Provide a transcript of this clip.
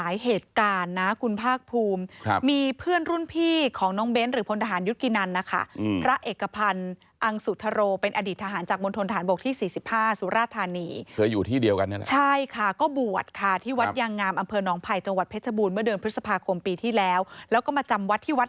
อยู่เป็นร้อยปีแล้วค่ะ